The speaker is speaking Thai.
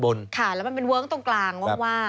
สวัสดีครับคุณผู้ชมค่ะต้อนรับเข้าที่วิทยาลัยศาสตร์